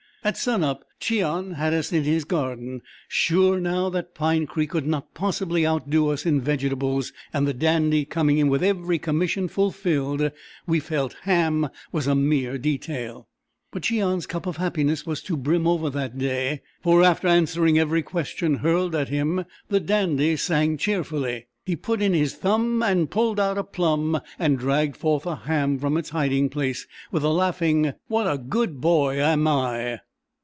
At sun up Cheon had us in his garden, sure now that Pine Creek could not possibly outdo us in vegetables and the Dandy coming in with every commission fulfilled we felt ham was a mere detail. But Cheon's cup of happiness was to brim over that day, for after answering every question hurled at him, the Dandy sang cheerfully: "He put in his thumb and pulled out a plum," and dragged forth a ham from its hiding place, with a laughing, "What a good boy am I."